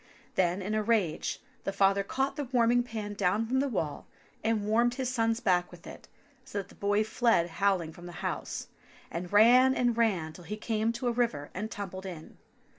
Then in a rage, the father caught the warming pan down from the wall and warmed his son's back with it so that the boy fled howling from the house, and ran and ran till he came to a river and tumbled in.